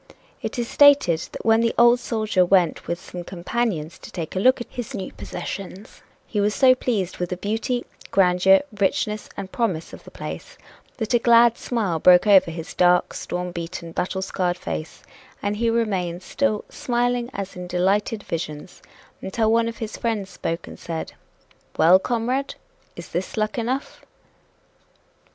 It is stated that when the old soldier went with some companions to take a look at his new possessions, he was so pleased with the beauty, grandeur, richness and promise of the place that a glad smile broke over his dark, storm beaten, battle scarred face, and he remained still "smiling as in delighted visions," until one of his friends spoke and said: "Well, comrade! Is this luck enough?"